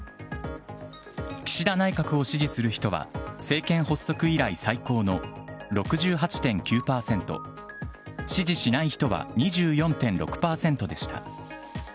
岸田内閣を支持する人は、政権発足以来最高の６８．９％、支持しない人は２４．６％でした。